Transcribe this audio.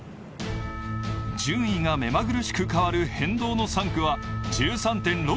順位が目まぐるしく変わる変動の３区は１３．６ｋｍ。